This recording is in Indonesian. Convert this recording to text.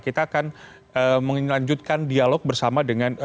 kita akan melanjutkan dialog bersama dengan